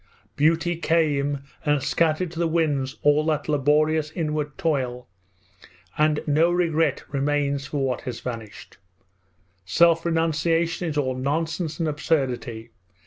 Beauty came and scattered to the winds all that laborious inward toil, and no regret remains for what has vanished! Self renunciation is all nonsense and absurdity!